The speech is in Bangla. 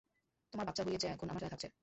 তোমার বাচ্চা হইয়ে যে এখন আমার সাথে থাকছে।